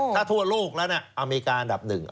ถ้าทั่วโลกแล้วนะอเมริกาอันดับหนึ่ง